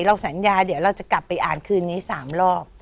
สัญญาเดี๋ยวเราจะกลับไปอ่านคืนนี้๓รอบ